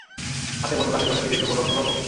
হাতে বন্দুক আছে বলে নিজেকে বড় হনু ভাবো।